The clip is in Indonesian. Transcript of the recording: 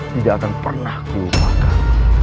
tidak akan pernah kuupakan